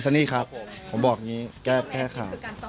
ผมบอกงี้แก้แค่ข่าวอเรนนี่ละลูกนี่คือการท่องโต้ตอุระดับแรก